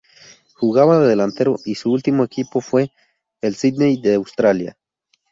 Jugaba de delantero y su último equipo fue el Sydney de Australia.